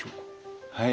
はい。